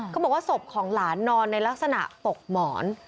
เขาบอกว่าศพของหลานนอนในลักษณะตกหมอน